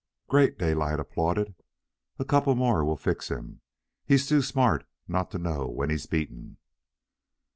"Great!" Daylight applauded. "A couple more will fix him. He's too smart not to know when he's beaten."